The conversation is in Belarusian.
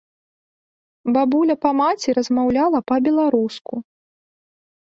Бабуля па маці размаўляла па-беларуску.